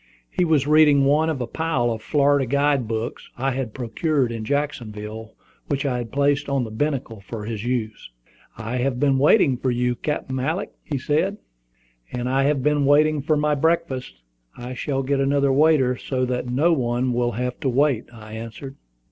He was reading one of a pile of Florida guide books I had procured in Jacksonville, which I had placed by the binnacle for his use. "I have been waiting for you, Captain Alick," said he. "And I have been waiting for my breakfast. I shall get another waiter, so that no one will have to wait," I answered.